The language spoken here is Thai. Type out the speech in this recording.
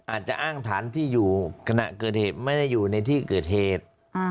อาจจะอ้างฐานที่อยู่ขณะเกิดเหตุไม่ได้อยู่ในที่เกิดเหตุ